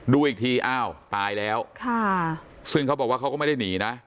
ดูอีกทีอ้าวตายแล้วซึ่งเขาบอกว่าเขาก็ไม่ได้หนีนะ